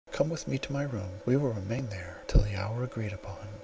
Come with me to my room; we will remain there till the hour agreed upon."